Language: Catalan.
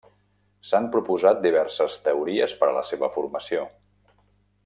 S'han proposat diverses teories per a la seva formació.